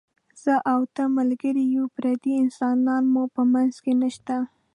زه او ته ملګري یو، پردي انسانان مو په منځ کې نشته.